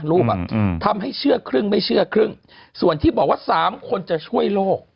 รูปอ่ะอืมทำให้เชื่อครึ่งไม่เชื่อครึ่งส่วนที่บอกว่าสามคนจะช่วยโลก